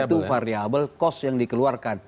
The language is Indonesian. itu variable cost yang dikeluarkan